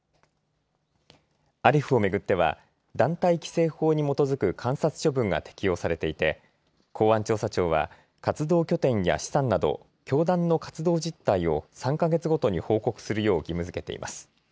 アレフを巡っては団体規制法に基づく観察処分が適用されていて公安調査庁は活動拠点や資産など教団の活動実態を３か月ごとに報告するよう義務づけています。